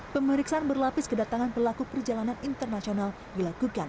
pemeriksaan berlapis kedatangan pelaku perjalanan internasional dilakukan